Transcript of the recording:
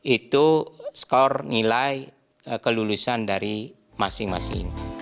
itu skor nilai kelulusan dari masing masing